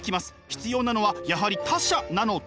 必要なのはやはり「他者」なのだと。